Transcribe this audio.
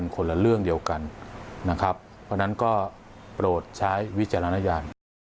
เพราะฉะนั้นก็โปรดใช้วิจารณญาณ